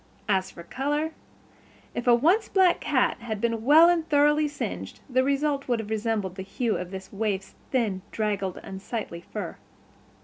As for color, if a once black cat had been well and thoroughly singed the result would have resembled the hue of this waif's thin, draggled, unsightly fur.